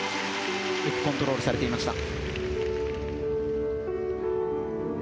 よくコントロールされていました。